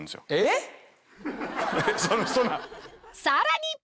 さらに！